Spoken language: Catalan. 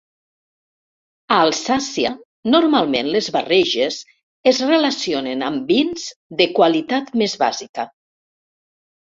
A Alsàcia, normalment les barreges es relacionen amb vins de qualitat més bàsica.